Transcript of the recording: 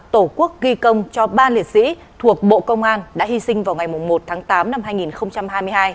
tổ quốc ghi công cho ba liệt sĩ thuộc bộ công an đã hy sinh vào ngày một tháng tám năm hai nghìn hai mươi hai